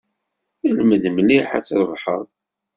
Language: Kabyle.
Lmed mliḥ ad trebḥeḍ.